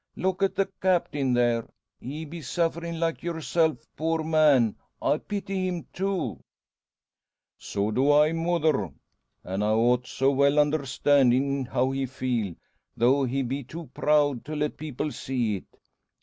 Look at the Captain, there! He be sufferin' like yourself. Poor man! I pity him, too." "So do I, mother. An' I ought, so well understandin' how he feel, though he be too proud to let people see it.